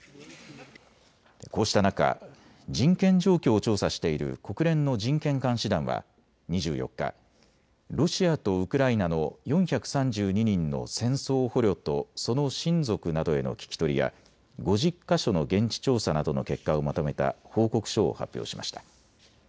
こうした中、人権状況を調査している国連の人権監視団は２４日、ロシアとウクライナの４３２人の戦争捕虜とその親族などへの聞き取りや５０か所の現地調査などの結果をまとめた報告書を発表しました。